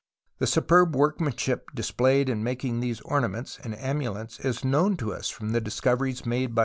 The superb workmanship dis played in making these ornaments and amulets is known to us from the discoveries made by M.